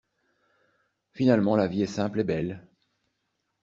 Finalement, la vie est simple et belle.